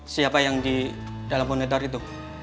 siapa yang di dalam monitor itu